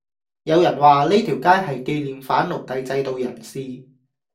有人話呢條街係記念反奴隸制度人士